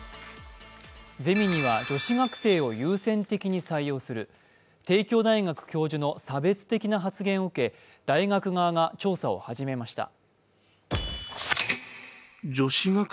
ゼミには女子学生を優先的に採用する帝京大学教授の差別的な発言を受け、大学側が調査を始めました。